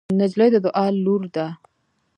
نجلۍ د دعا لور ده.